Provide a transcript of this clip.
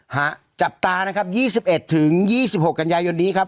ฮะจับตานะครับ๒๑๒๖กันยายนนี้ครับ